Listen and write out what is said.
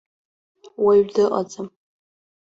Уаҩ дыҟаӡам.